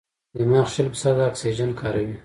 دماغ شل فیصده اکسیجن کاروي.